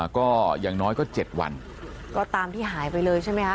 ก็อย่างน้อยก็๗วันก็ตามที่หายไปเลยใช่ไหมคะ